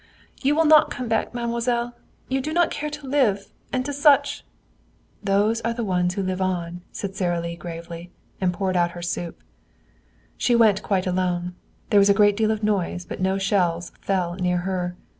"You will not come back, mademoiselle. You do not care to live, and to such " "Those are the ones who live on," said Sara Lee gravely, and poured out her soup. She went quite alone. There was a great deal of noise, but no shells fell near her.